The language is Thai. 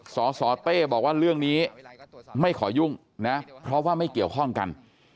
สสเต้บอกว่าเรื่องนี้ไม่ขอยุ่งนะเพราะว่าไม่เกี่ยวข้องกัน